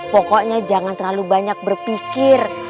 pokoknya jangan terlalu banyak berpikir